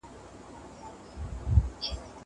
که ورمات يې کړي هډونه